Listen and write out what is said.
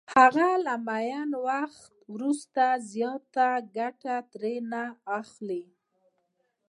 هغه له معین وخت وروسته زیاته ګټه ترې اخلي